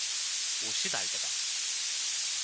옷이 날개다